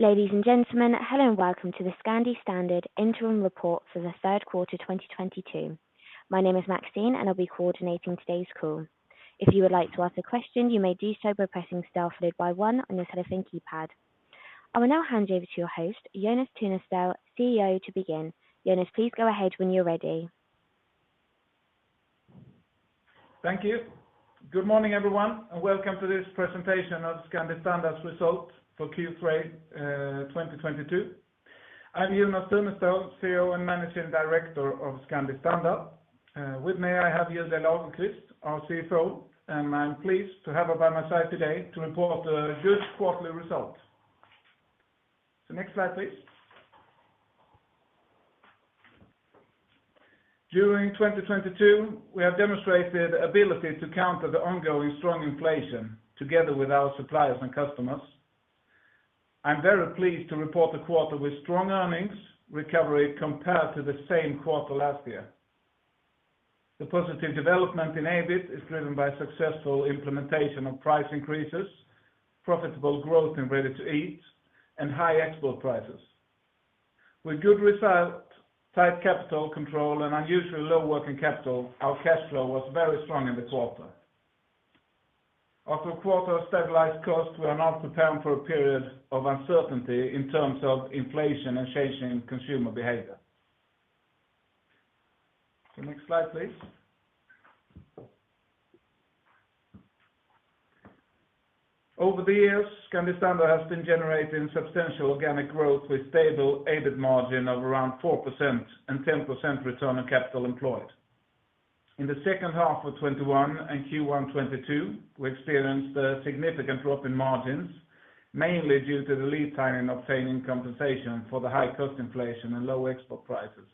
Ladies and gentlemen, hello and welcome to the Scandi Standard Interim Report for the third quarter 2022. My name is Maxine, and I'll be coordinating today's call. If you would like to ask a question, you may do so by pressing star followed by one on your telephone keypad. I will now hand over to your host, Jonas Tunestål, CEO, to begin. Jonas, please go ahead when you're ready. Thank you. Good morning, everyone, and welcome to this presentation of Scandi Standard's result for Q3 2022. I'm Jonas Tunestål, CEO and Managing Director of Scandi Standard. With me, I have here is Julia Lagerkvist, our CFO, and I'm pleased to have her by my side today to report a good quarterly result. Next slide, please. During 2022, we have demonstrated ability to counter the ongoing strong inflation together with our suppliers and customers. I'm very pleased to report a quarter with strong earnings recovery compared to the same quarter last year. The positive development in EBIT is driven by successful implementation of price increases, profitable growth in Ready-to-Eat and high export prices. With good result, tight capital control and unusually low working capital, our cash flow was very strong in the quarter. After a quarter of stabilized costs, we are now preparing for a period of uncertainty in terms of inflation and changing consumer behavior. Next slide, please. Over the years, Scandi Standard has been generating substantial organic growth with stable EBIT margin of around 4% and 10% return on capital employed. In the second half of 2021 and Q1 2022, we experienced a significant drop in margins, mainly due to the lead time in obtaining compensation for the high cost inflation and low export prices.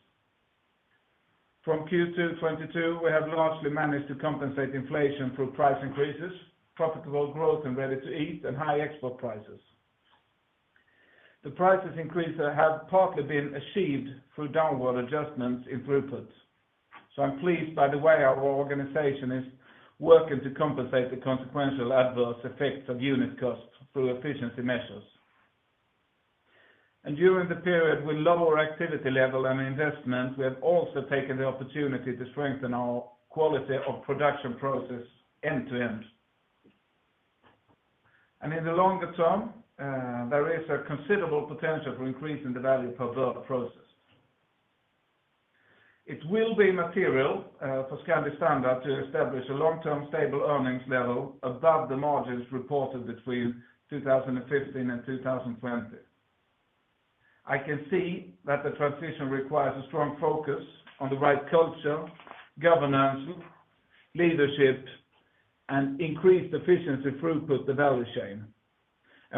From Q2 2022, we have largely managed to compensate inflation through price increases, profitable growth in Ready-to-Eat and high export prices. The price increases have partly been achieved through downward adjustments in throughput. I'm pleased by the way our organization is working to compensate the consequential adverse effects of unit costs through efficiency measures. During the period with lower activity level and investment, we have also taken the opportunity to strengthen our quality of production process end-to-end. In the longer term, there is a considerable potential for increasing the value per bird processed. It will be material for Scandi Standard to establish a long-term stable earnings level above the margins reported between 2015 and 2020. I can see that the transition requires a strong focus on the right culture, governance, leadership and increased efficiency throughout the value chain.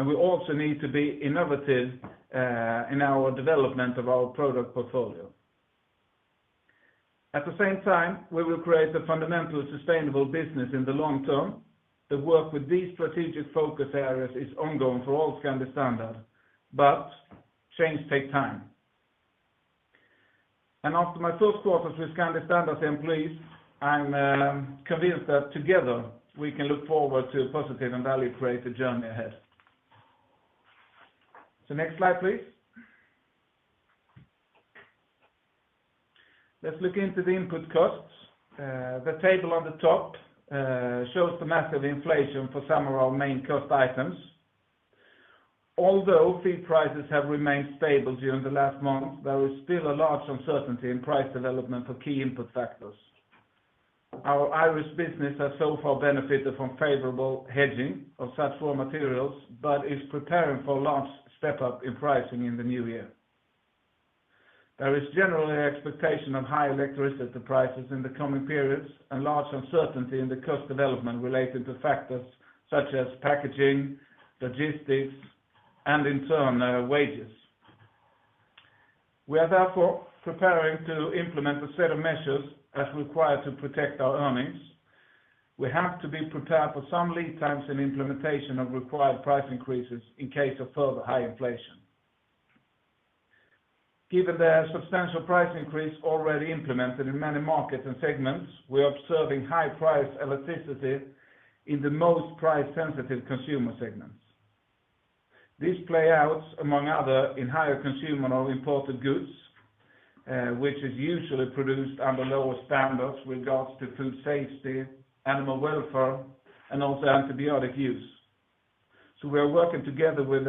We also need to be innovative in our development of our product portfolio. At the same time, we will create a fundamental sustainable business in the long term. The work with these strategic focus areas is ongoing for all Scandi Standard, but change takes time. After my first quarter with Scandi Standard employees, I'm convinced that together we can look forward to a positive and value-created journey ahead. Next slide, please. Let's look into the input costs. The table on the top shows the massive inflation for some of our main cost items. Although feed prices have remained stable during the last month, there is still a large uncertainty in price development for key input factors. Our Irish Business has so far benefited from favorable hedging of such raw materials, but is preparing for a large step up in pricing in the new year. There is generally expectation of high electricity prices in the coming periods and large uncertainty in the cost development related to factors such as packaging, logistics, and in turn, wages. We are therefore preparing to implement a set of measures as required to protect our earnings. We have to be prepared for some lead times in implementation of required price increases in case of further high inflation. Given the substantial price increase already implemented in many markets and segments, we are observing high price elasticity in the most price-sensitive consumer segments. These play out, among other, in higher consumption of imported goods, which is usually produced under lower standards with regards to food safety, animal welfare, and also antibiotic use. We are working together with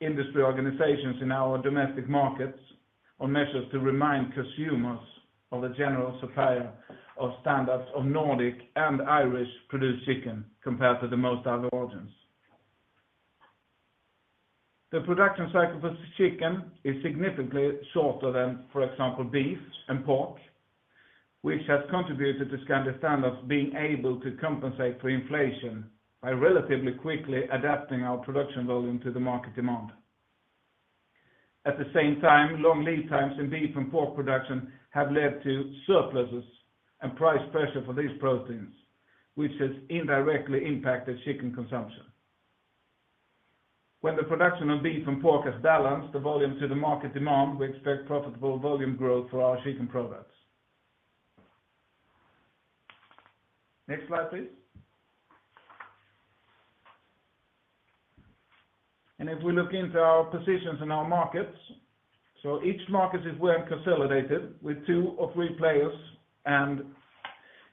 industry organizations in our domestic markets on measures to remind consumers of the generally superior standards of Nordic and Irish produced chicken compared to most other origins. The production cycle for chicken is significantly shorter than, for example, beef and pork, which has contributed to Scandi Standard being able to compensate for inflation by relatively quickly adapting our production volume to the market demand. At the same time, long lead times in beef and pork production have led to surpluses and price pressure for these proteins, which has indirectly impacted chicken consumption. When the production of beef and pork has balanced the volume to the market demand, we expect profitable volume growth for our chicken products. Next slide, please. If we look into our positions in our markets, so each market is well consolidated with two or three players, and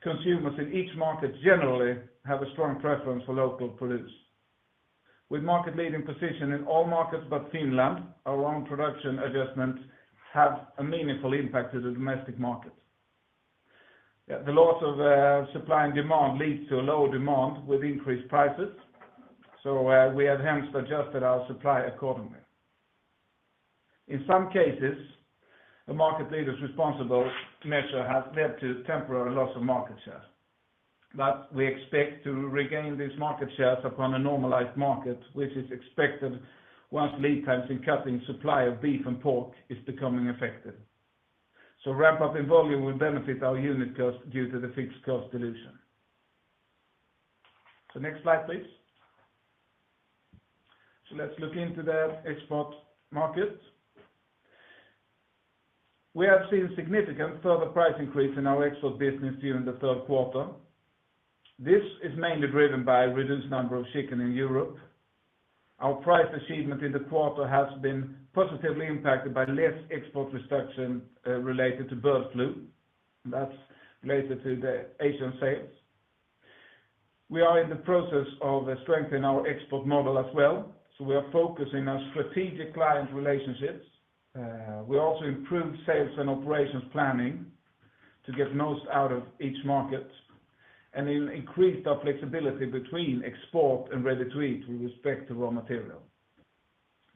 consumers in each market generally have a strong preference for local produce. With market-leading position in all markets but Finland, our own production adjustments have a meaningful impact to the domestic markets. The laws of supply and demand leads to a lower demand with increased prices, so we have hence adjusted our supply accordingly. In some cases, the market leaders responsible measure has led to temporary loss of market share, but we expect to regain these market shares upon a normalized market, which is expected once lead times in cutting supply of beef and pork is becoming effective. Ramp-up in volume will benefit our unit cost due to the fixed cost dilution. Next slide, please. Let's look into the export market. We have seen significant further price increase in our export business during the third quarter. This is mainly driven by reduced number of chicken in Europe. Our price achievement in the quarter has been positively impacted by less export reduction related to bird flu, that's related to the Asian sales. We are in the process of strengthening our export model as well, so we are focusing on strategic client relationships. We also improved sales and operations planning to get the most out of each market, and increased our flexibility between export and Ready-to-Eat with respect to raw material.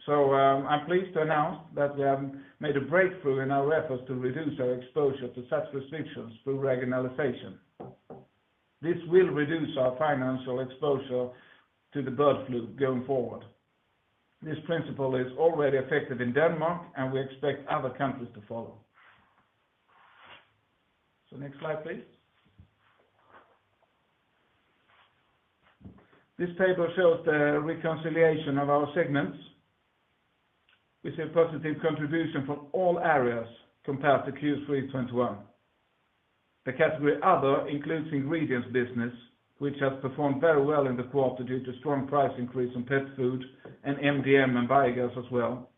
I'm pleased to announce that we have made a breakthrough in our efforts to reduce our exposure to such restrictions through regionalization. This will reduce our financial exposure to the bird flu going forward. This principle is already effective in Denmark, and we expect other countries to follow. Next slide, please. This table shows the reconciliation of our segments. We see a positive contribution from all areas compared to Q3 2021. The category Other includes ingredients business, which has performed very well in the quarter due to strong price increase on pet food and MDM and biogas as well.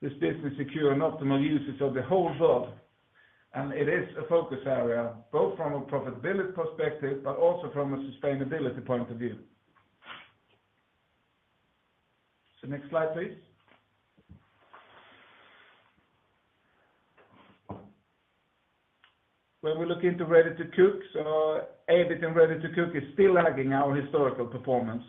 This business secure an optimal usage of the whole bird, and it is a focus area, both from a profitability perspective, but also from a sustainability point of view. Next slide, please. When we look into Ready-to-Cook, so EBIT in Ready-to-Cook is still lagging our historical performance.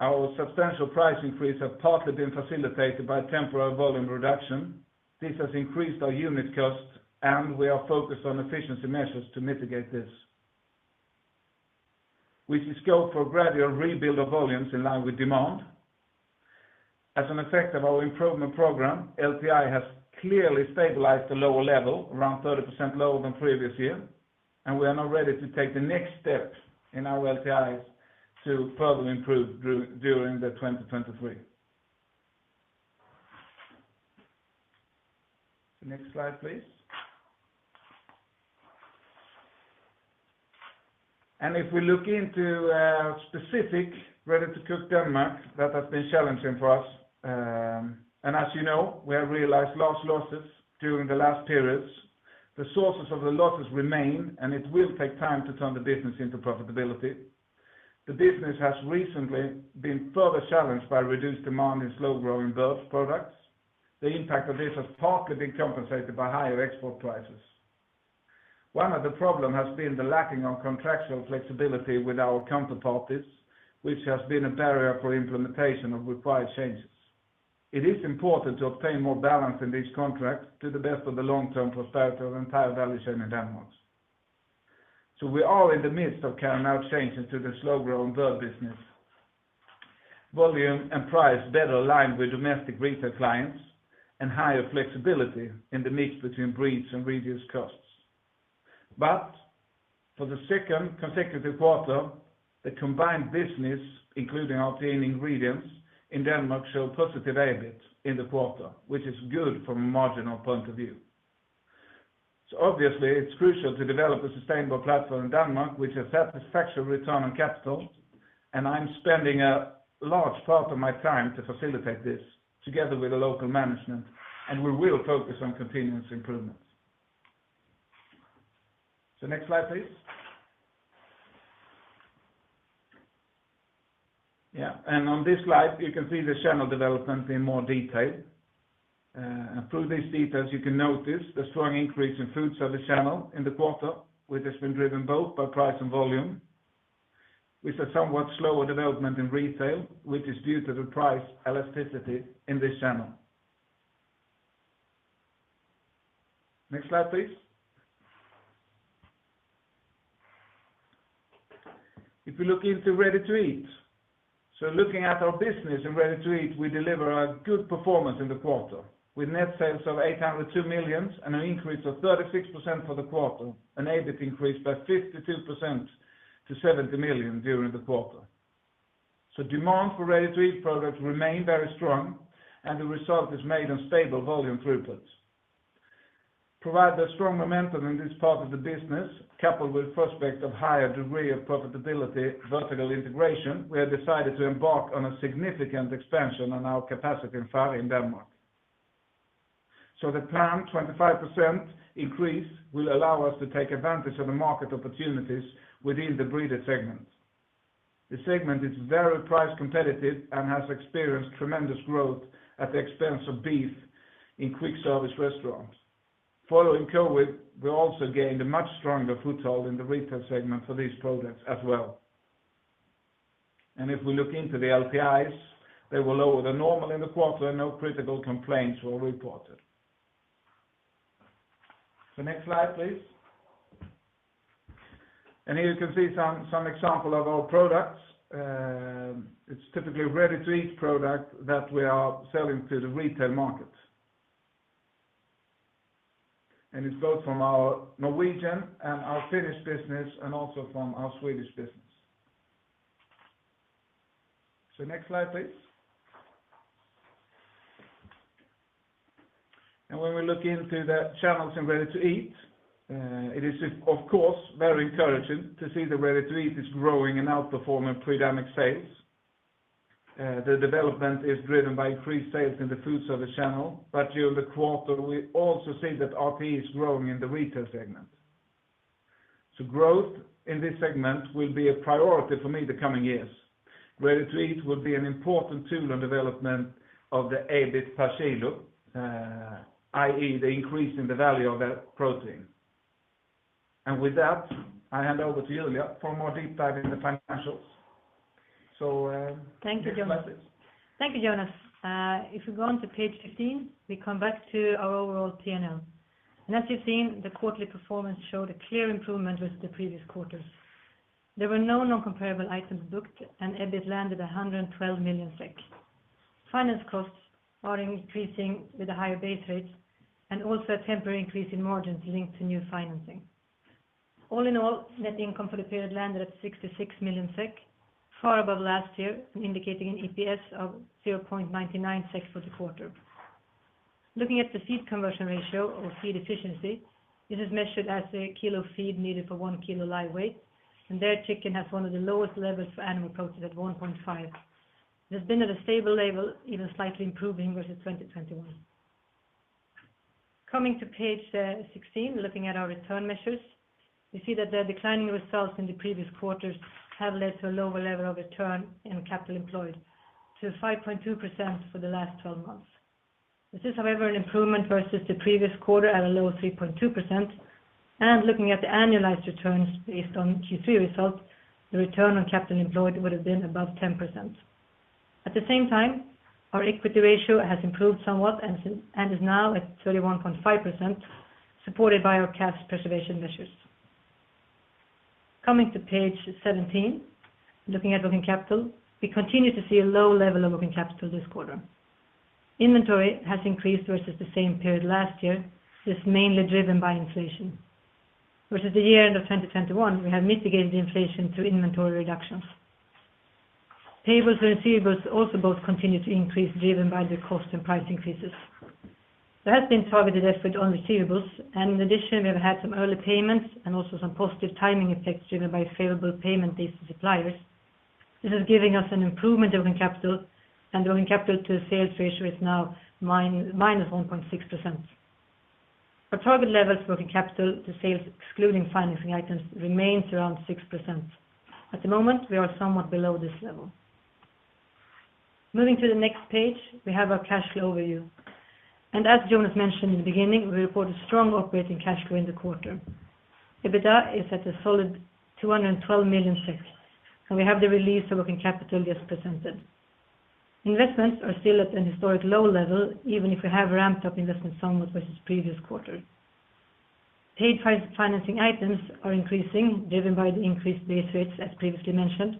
Our substantial price increase have partly been facilitated by temporary volume reduction. This has increased our unit costs, and we are focused on efficiency measures to mitigate this. We see scope for gradual rebuild of volumes in line with demand. As an effect of our improvement program, LTI has clearly stabilized the lower level, around 30% lower than previous year, and we are now ready to take the next steps in our LTIs to further improve during 2023. The next slide, please. If we look into specific Ready-to-Cook Denmark, that has been challenging for us. As you know, we have realized large losses during the last periods. The sources of the losses remain, and it will take time to turn the business into profitability. The business has recently been further challenged by reduced demand in slow-growing bird products. The impact of this has partly been compensated by higher export prices. One of the problems has been the lack of contractual flexibility with our counterparties, which has been a barrier for implementation of required changes. It is important to obtain more balance in these contracts to the best of the long-term prosperity of entire value chain in Denmark. We are in the midst of carrying out changes to the slow-growing bird business. Volume and price better aligned with domestic retail clients and higher flexibility in the mix between breeds and reduced costs. For the second consecutive quarter, the combined business, including our clean ingredients in Denmark, show positive EBIT in the quarter, which is good from a marginal point of view. Obviously, it's crucial to develop a sustainable platform in Denmark, which has satisfactory return on capital, and I'm spending a large part of my time to facilitate this together with the local management, and we will focus on continuous improvements. Next slide, please. Yeah, on this slide, you can see the channel development in more detail. Through these details, you can notice the strong increase in food service channel in the quarter, which has been driven both by price and volume. We see somewhat slower development in retail, which is due to the price elasticity in this channel. Next slide, please. If you look into Ready-to-Eat, so looking at our business in Ready-to-Eat, we deliver a good performance in the quarter, with net sales of 802 million and an increase of 36% for the quarter, an EBIT increase by 52% to 70 million during the quarter. Demand for Ready-to-Eat products remain very strong, and the result is made on stable volume throughputs. Provided the strong momentum in this part of the business, coupled with prospects of higher degree of profitability, vertical integration, we have decided to embark on a significant expansion on our capacity in Farum in Denmark. The planned 25% increase will allow us to take advantage of the market opportunities within the Breeder segment. The segment is very price competitive and has experienced tremendous growth at the expense of beef in quick service restaurants. Following COVID, we also gained a much stronger foothold in the retail segment for these products as well. If we look into the LTIs, they were lower than normal in the quarter, no critical complaints were reported. The next slide, please. Here you can see some example of our products. It's typically a Ready-to-Eat product that we are selling to the retail market. It's both from our Norwegian and our Finnish business, and also from our Swedish business. Next slide, please. When we look into the channels in Ready-to-Eat, it is, of course, very encouraging to see the Ready-to-Eat is growing and outperforming pre-pandemic sales. The development is driven by increased sales in the food service channel, but during the quarter, we also see that RTE is growing in the retail segment. Growth in this segment will be a priority for me the coming years. Ready-to-Eat will be an important tool in development of the EBIT per kilo, i.e., the increase in the value of our protein. With that, I hand over to Julia for a deeper dive in the financials. Thank you, Jonas. Next slide, please. Thank you, Jonas. If you go onto page 15, we come back to our overall P&L. As you've seen, the quarterly performance showed a clear improvement with the previous quarters. There were no non-comparable items booked, and EBIT landed at 112 million SEK. Finance costs are increasing with the higher base rates, and also a temporary increase in margins linked to new financing. All in all, net income for the period landed at 66 million SEK, far above last year, indicating an EPS of 0.99 SEK for the quarter. Looking at the feed conversion ratio or feed efficiency, this is measured as the kilo of feed needed for one kilo live weight, and their chicken has one of the lowest levels for animal protein at 1.5. It has been at a stable level, even slightly improving versus 2021. Coming to page 16, looking at our return measures, we see that the declining results in the previous quarters have led to a lower level of return on capital employed to 5.2% for the last twelve months. This is, however, an improvement versus the previous quarter at a low 3.2%. Looking at the annualized returns based on Q3 results, the return on capital employed would have been above 10%. At the same time, our equity ratio has improved somewhat and is now at 31.5%, supported by our cash preservation measures. Coming to page 17, looking at working capital, we continue to see a low level of working capital this quarter. Inventory has increased versus the same period last year. This is mainly driven by inflation. Versus the year-end of 2021, we have mitigated the inflation through inventory reductions. Payables and receivables also both continue to increase, driven by the cost and price increases. There has been targeted effort on receivables, and in addition, we have had some early payments and also some positive timing effects driven by favorable payment dates to suppliers. This is giving us an improvement of working capital, and the working capital to sales ratio is now minus 1.6%. Our target levels for working capital to sales, excluding financing items, remains around 6%. At the moment, we are somewhat below this level. Moving to the next page, we have our cash flow overview. As Jonas mentioned in the beginning, we report a strong operating cash flow in the quarter. EBITDA is at a solid SEK 212 million, and we have the release of working capital just presented. Investments are still at an historic low level, even if we have ramped up investment somewhat versus previous quarter. Paid financing items are increasing, driven by the increased base rates, as previously mentioned.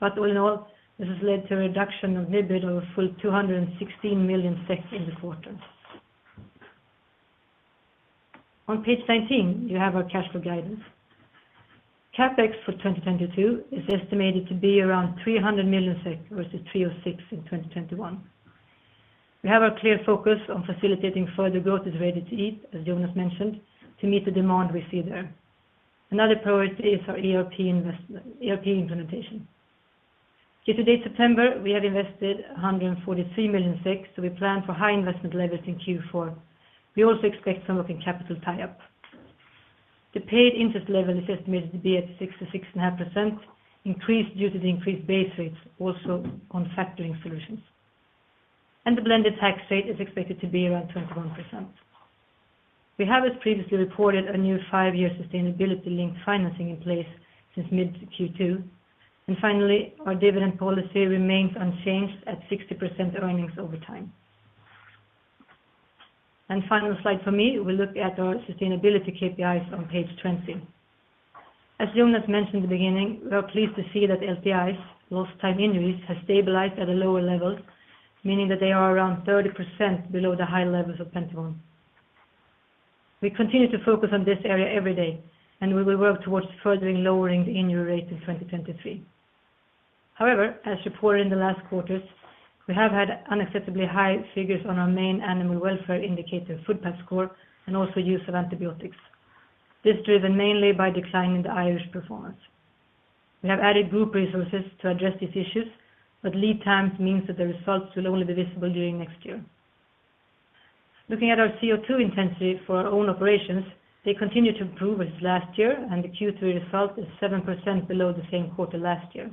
All in all, this has led to a reduction of net debt of a full 216 million in the quarter. On page 19, you have our cash flow guidance. CapEx for 2022 is estimated to be around 300 million SEK versus 306 in 2021. We have a clear focus on facilitating further growth in Ready-to-Eat, as Jonas mentioned, to meet the demand we see there. Another priority is our ERP implementation. Year-to-date, September, we have invested 143 million, so we plan for high investment levels in Q4. We also expect some working capital tie-up. The paid interest level is estimated to be at 6%-6.5%, increased due to the increased base rates also on factoring solutions. The blended tax rate is expected to be around 21%. We have, as previously reported, a new five-year sustainability-linked financing in place since mid Q2. Finally, our dividend policy remains unchanged at 60% earnings over time. Final slide for me, we look at our sustainability KPIs on page 20. As Jonas mentioned in the beginning, we are pleased to see that LTIs, lost time injuries, have stabilized at a lower level, meaning that they are around 30% below the high levels of 2021. We continue to focus on this area every day, and we will work towards furthering lowering the injury rate in 2023. However, as reported in the last quarters, we have had unacceptably high figures on our main animal welfare indicator, footpad score, and also use of antibiotics. This is driven mainly by decline in the Irish performance. We have added group resources to address these issues, but lead times means that the results will only be visible during next year. Looking at our CO2 intensity for our own operations, they continue to improve as last year, and the Q3 result is 7% below the same quarter last year.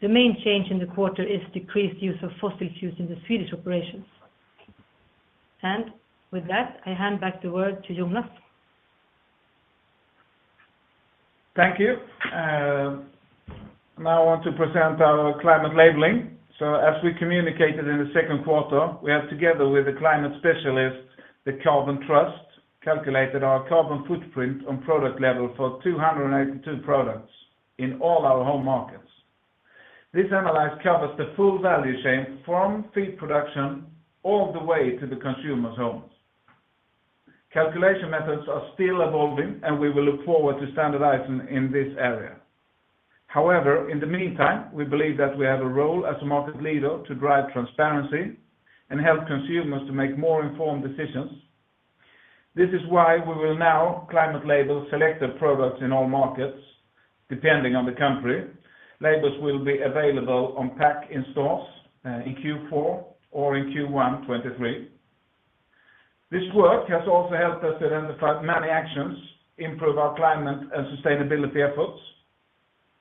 The main change in the quarter is decreased use of fossil fuels in the Swedish operations. With that, I hand back the word to Jonas. Thank you. Now I want to present our climate labeling. As we communicated in the second quarter, we have together with the climate specialists, the Carbon Trust, calculated our carbon footprint on product level for 282 products in all our home markets. This analysis covers the full value chain from feed production all the way to the consumer's homes. Calculation methods are still evolving, and we will look forward to standardizing in this area. However, in the meantime, we believe that we have a role as a market leader to drive transparency and help consumers to make more informed decisions. This is why we will now climate label selected products in all markets, depending on the country. Labels will be available on pack in stores, in Q4 or in Q1 2023. This work has also helped us identify many actions, improve our climate and sustainability efforts.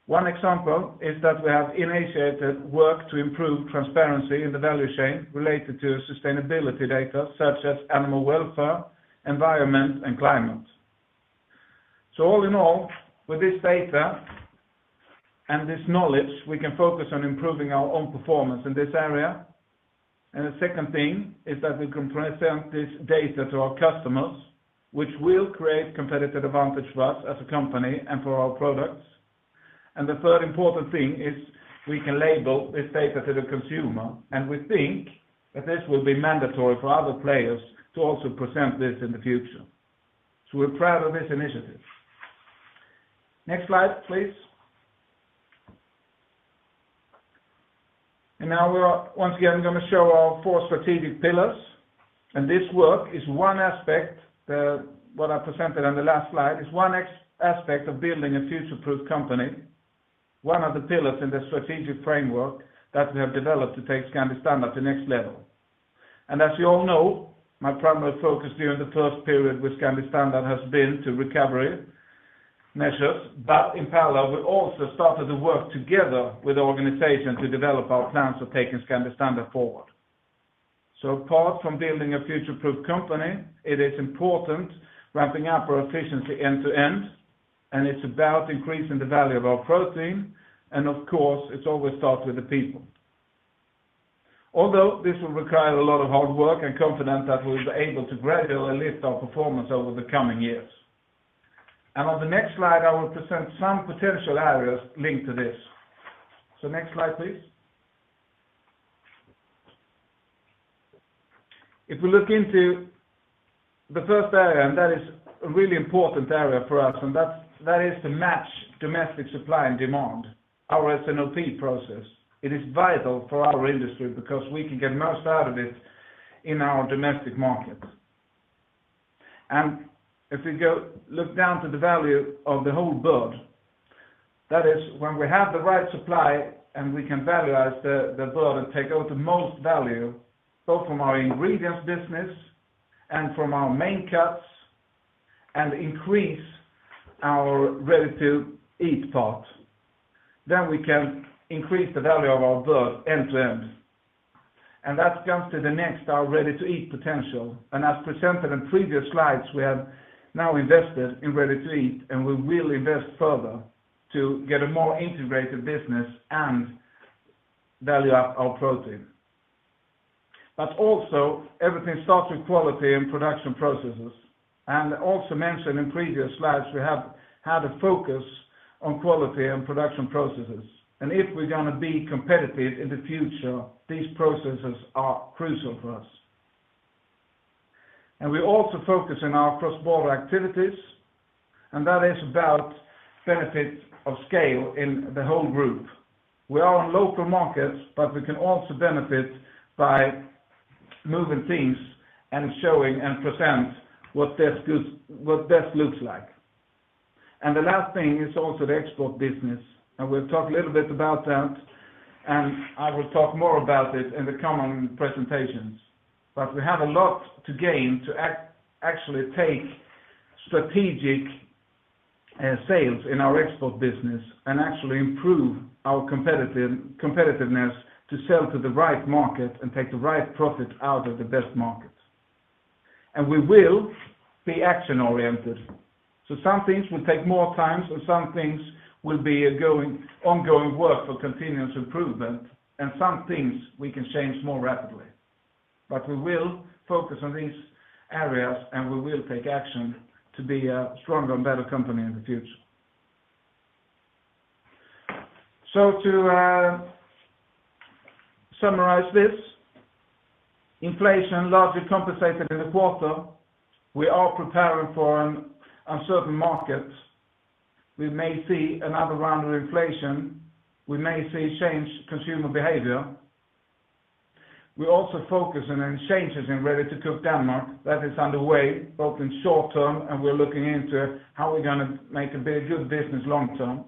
One example is that we have initiated work to improve transparency in the value chain related to sustainability data such as animal welfare, environment, and climate. All in all, with this data and this knowledge, we can focus on improving our own performance in this area. The second thing is that we can present this data to our customers, which will create competitive advantage for us as a company and for our products. The third important thing is we can label this data to the consumer, and we think that this will be mandatory for other players to also present this in the future. We're proud of this initiative. Next slide, please. Now we are once again gonna show our four strategic pillars. This work is one aspect, what I presented on the last slide, is one aspect of building a future-proof company, one of the pillars in the strategic framework that we have developed to take Scandi Standard to next level. As you all know, my primary focus during the first period with Scandi Standard has been on recovery measures, but in parallel, we also started to work together with the organization to develop our plans for taking Scandi Standard forward. Apart from building a future-proof company, it is important to ramp up our efficiency end to end, and it's about increasing the value of our protein. Of course, it always starts with the people. Although this will require a lot of hard work and confidence that we'll be able to gradually lift our performance over the coming years. On the next slide, I will present some potential areas linked to this. Next slide, please. If we look into the first area, that is a really important area for us, that is to match domestic supply and demand, our S&OP process. It is vital for our industry because we can get most out of it in our domestic markets. If we go look down to the value of the whole bird, that is when we have the right supply and we can valorize the bird and take out the most value, both from our ingredients business and from our main cuts and increase our Ready-to-Eat part, then we can increase the value of our bird end-to-end. That comes to the next, our Ready-to-Eat potential. As presented in previous slides, we have now invested in Ready-to-Eat, and we will invest further to get a more integrated business and value up our protein. Everything starts with quality and production processes. Also mentioned in previous slides, we have had a focus on quality and production processes. If we're gonna be competitive in the future, these processes are crucial for us. We also focus on our cross-border activities, and that is about benefit of scale in the whole group. We are on local markets, but we can also benefit by moving things and showing and present what this looks like. The last thing is also the export business, and we'll talk a little bit about that, and I will talk more about it in the coming presentations. We have a lot to gain to actually take strategic sales in our export business and actually improve our competitive competitiveness to sell to the right market and take the right profit out of the best markets. We will be action-oriented. Some things will take more time, and some things will be a ongoing work for continuous improvement, and some things we can change more rapidly. We will focus on these areas, and we will take action to be a stronger and better company in the future. To summarize this, inflation largely compensated in the quarter. We are preparing for an uncertain market. We may see another round of inflation. We may see a change consumer behavior. We're also focusing on changes in Ready-to-Cook Denmark that is underway, both in short-term, and we're looking into how we're gonna make a very good business long-term.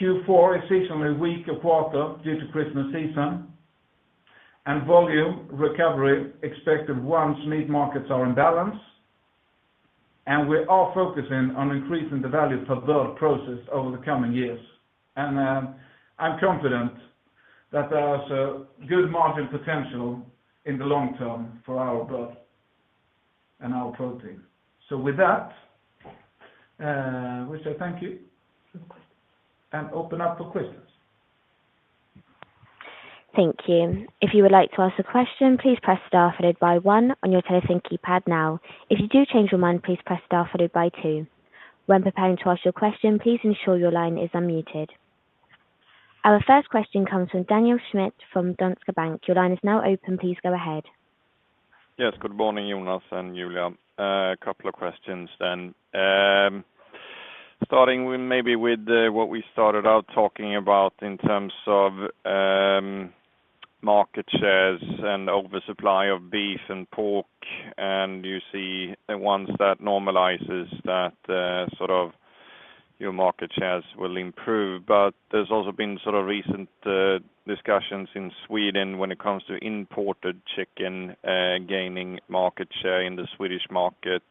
Q4 is seasonally weaker quarter due to Christmas season. Volume recovery expected once meat markets are in balance. We are focusing on increasing the value per bird processed over the coming years. I'm confident that there are such good margin potential in the long term for our bird and our protein. With that, we say thank you. Questions. Open up for questions. Thank you. If you would like to ask a question, please press star followed by one on your telephone keypad now. If you do change your mind, please press star followed by two. When preparing to ask your question, please ensure your line is unmuted. Our first question comes from Daniel Schmidt from Danske Bank. Your line is now open. Please go ahead. Yes. Good morning, Jonas and Julia. A couple of questions then. Starting with maybe with what we started out talking about in terms of market shares and oversupply of beef and pork, and you see that once that normalizes, sort of your market shares will improve. There's also been sort of recent discussions in Sweden when it comes to imported chicken, gaining market share in the Swedish market.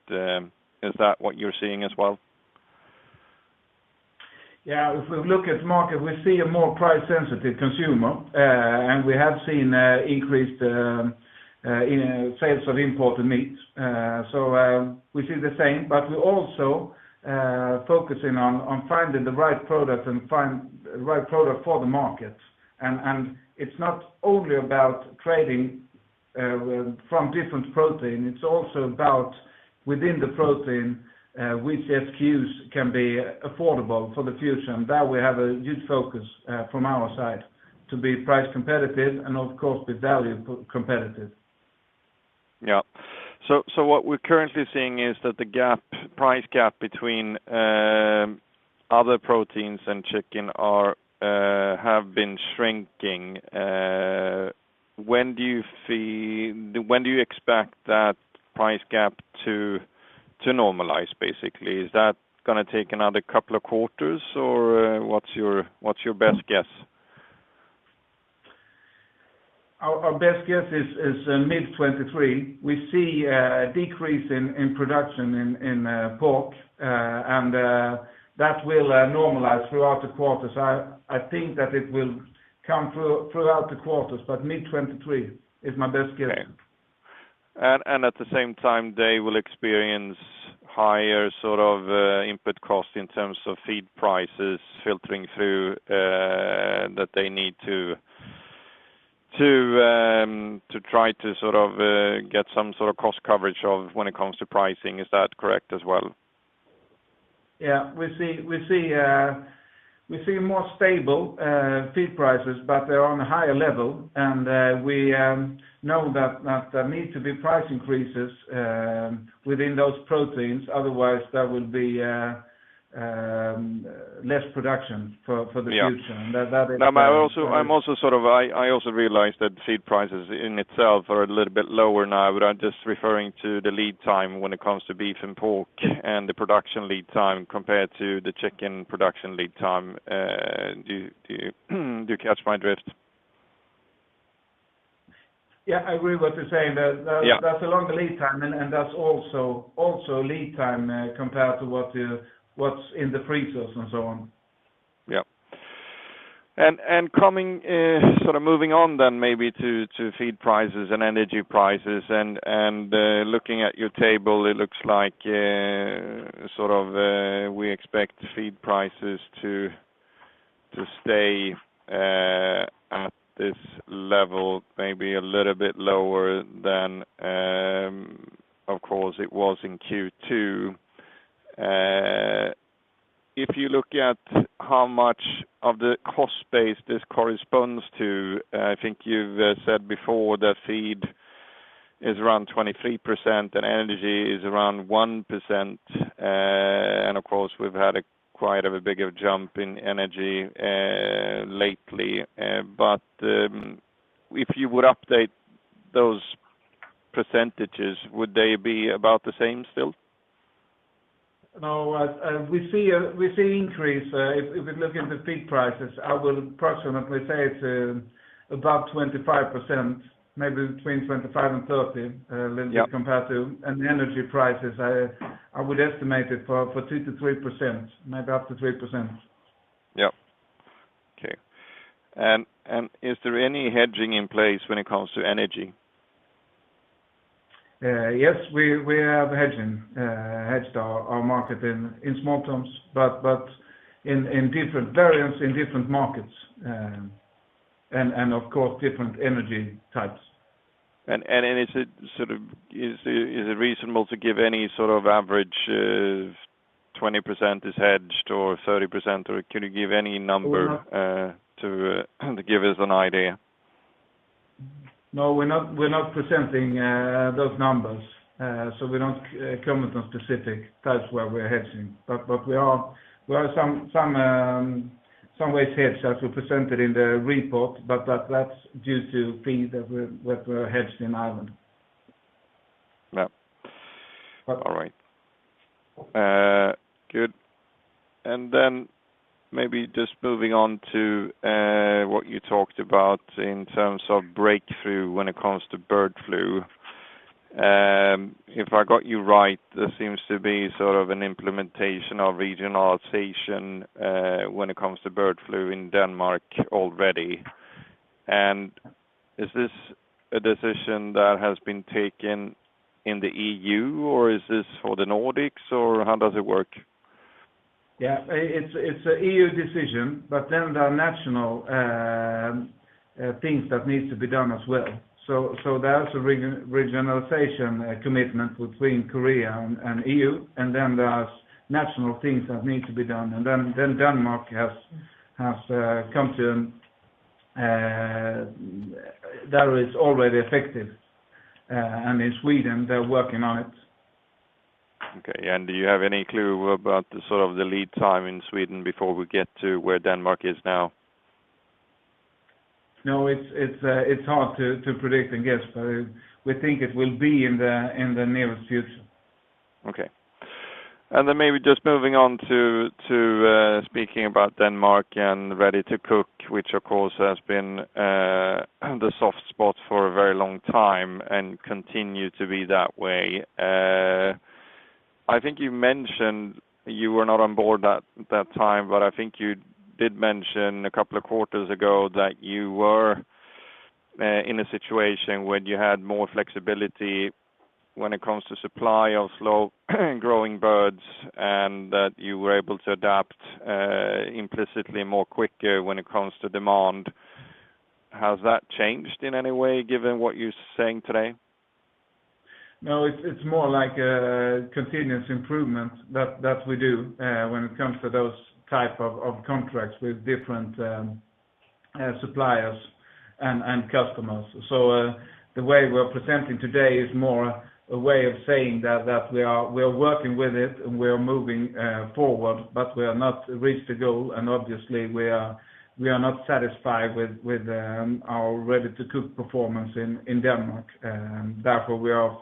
Is that what you're seeing as well? Yeah. If we look at market, we see a more price sensitive consumer, and we have seen increased in sales of imported meat. We see the same, but we're also focusing on finding the right product for the market. It's not only about trading from different protein, it's also about within the protein, which SKUs can be affordable for the future. That will have a huge focus from our side to be price competitive and of course be value competitive. Yeah. What we're currently seeing is that the price gap between other proteins and chicken have been shrinking. When do you expect that price gap to normalize, basically? Is that gonna take another couple of quarters or what's your best guess? Our best guess is mid-2023. We see a decrease in production in pork, and that will normalize throughout the quarters. I think that it will come throughout the quarters, but mid-2023 is my best guess. Okay. At the same time, they will experience higher sort of input costs in terms of feed prices filtering through, that they need to try to sort of get some sort of cost coverage of when it comes to pricing. Is that correct as well? Yeah. We see more stable feed prices, but they're on a higher level. We know that there needs to be price increases within those proteins. Otherwise, there will be less production for the future. Yeah. That is. No, I'm also sort of I also realize that feed prices in itself are a little bit lower now. I'm just referring to the lead time when it comes to beef and pork and the production lead time compared to the chicken production lead time. Do you catch my drift? Yeah. I agree with what you're saying. Yeah. That's a longer lead time, and that's also lead time, compared to what's in the freezers and so on. Yeah. Coming sort of moving on then maybe to feed prices and energy prices and looking at your table, it looks like sort of we expect feed prices to stay at this level, maybe a little bit lower than of course it was in Q2. If you look at how much of the cost base this corresponds to, I think you've said before that feed is around 23% and energy is around 1%. Of course, we've had quite a bigger jump in energy lately. If you would update those percentages, would they be about the same still? We see an increase if we look at the feed prices. I will approximately say it's about 25%, maybe between 25% and 30%. Yeah. Little compared to the energy prices. I would estimate it for 2%-3%, maybe up to 3%. Yeah. Okay. Is there any hedging in place when it comes to energy? Yes, we have hedged our market in small terms, but in different variants in different markets, and of course different energy types. Is it reasonable to give any sort of average, 20% is hedged or 30% or can you give any number to give us an idea? No, we're not presenting those numbers. We don't comment on specific parts where we're hedging. We are some ways hedged as we presented in the report, but that's due to things that we're hedged in Ireland. Yeah. All right. Good. Maybe just moving on to what you talked about in terms of breakthrough when it comes to bird flu. If I got you right, there seems to be sort of an implementation of regionalization when it comes to bird flu in Denmark already. Is this a decision that has been taken in the EU, or is this for the Nordics, or how does it work? It's an EU decision, but there are national things that needs to be done as well. There's a regionalization commitment between Korea and EU, and then there's national things that need to be done. Denmark has come to that is already effective. In Sweden, they're working on it. Okay. Do you have any clue about the sort of the lead time in Sweden before we get to where Denmark is now? No, it's hard to predict and guess, but we think it will be in the nearest future. Okay. Maybe just moving on to speaking about Denmark and Ready-to-Cook, which of course has been the soft spot for a very long time and continues to be that way. I think you mentioned you were not on board at that time, but I think you did mention a couple of quarters ago that you were in a situation where you had more flexibility when it comes to supply of slow-growing birds, and that you were able to adapt implicitly more quicker when it comes to demand. Has that changed in any way, given what you're saying today? No, it's more like a continuous improvement that we do when it comes to those type of contracts with different suppliers and customers. The way we're presenting today is more a way of saying that we are working with it, and we are moving forward, but we have not reached the goal. Obviously, we are not satisfied with our Ready-to-Cook performance in Denmark. Therefore, we are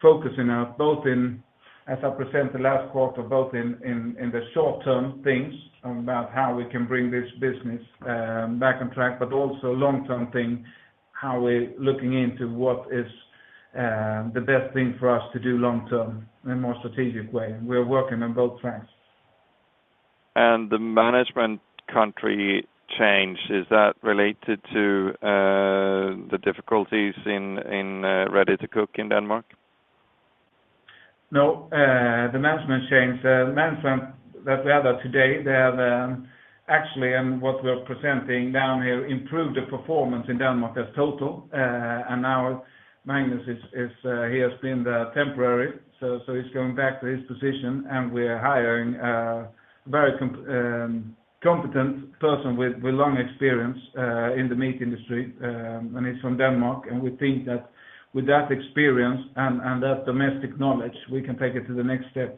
focusing on both in, as I presented last quarter, both in the short term things about how we can bring this business back on track, but also long-term thing, how we're looking into what is the best thing for us to do long-term in a more strategic way. We're working on both tracks. The management country change, is that related to the difficulties in Ready-to-Cook in Denmark? No, the management change. The management that we have today, they have actually, and what we are presenting down here, improved the performance in Denmark in total. Now Magnus is he has been the temporary. He's going back to his position, and we are hiring very competent person with long experience in the meat industry, and he's from Denmark. We think that with that experience and that domestic knowledge, we can take it to the next step.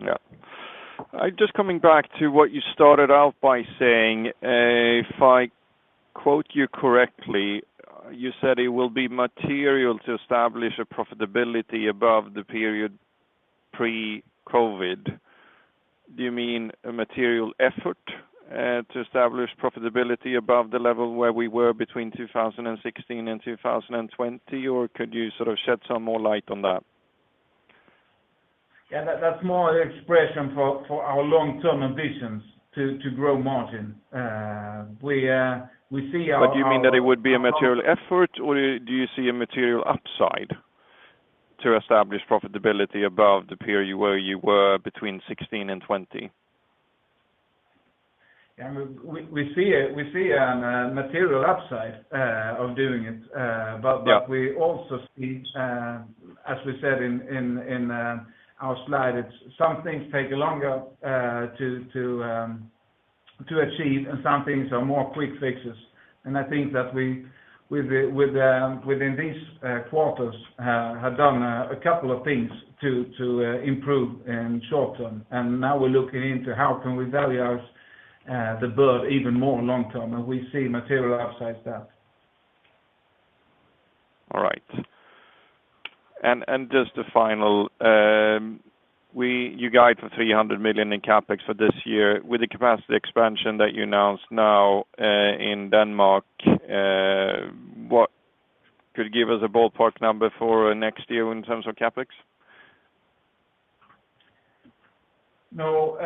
Yeah. I'm just coming back to what you started out by saying. If I quote you correctly, you said it will be material to establish a profitability above the period pre-COVID. Do you mean a material effort to establish profitability above the level where we were between 2016 and 2020? Or could you sort of shed some more light on that? Yeah. That's more an expression for our long-term ambitions to grow margin. We see our. Do you mean that it would be a material effort, or do you see a material upside to establish profitability above the period where you were between 16 and 20? Yeah. We see a material upside of doing it. Yeah. We also see, as we said in our slide, it's some things take longer to achieve, and some things are more quick fixes. I think that we within these quarters have done a couple of things to improve in short term. Now we're looking into how can we value the bird even more long term, and we see material upside that. All right. Just a final. You guide for 300 million in CapEx for this year. With the capacity expansion that you announced now in Denmark, what could give us a ballpark number for next year in terms of CapEx? No.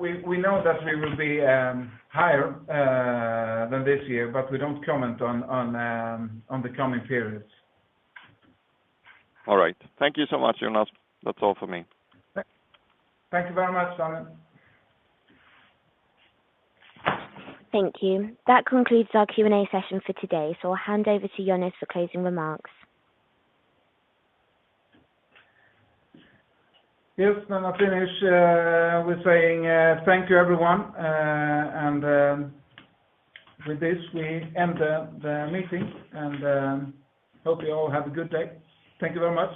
We know that we will be higher than this year, but we don't comment on the coming periods. All right. Thank you so much, Jonas. That's all for me. Thank you very much, Schmidt. Thank you. That concludes our Q&A session for today. I'll hand over to Jonas for closing remarks. Yes. I finish with saying thank you, everyone. With this, we end the meeting and hope you all have a good day. Thank you very much.